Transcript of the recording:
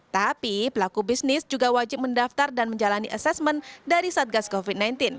tapi pelaku bisnis juga wajib mendaftar dan menjalani asesmen dari satgas covid sembilan belas